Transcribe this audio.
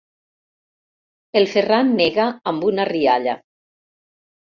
El Ferran nega amb una rialla.